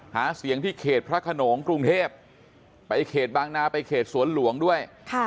หาเสียงที่เขตพระขนงกรุงเทพไปเขตบางนาไปเขตสวนหลวงด้วย